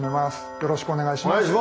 よろしくお願いします。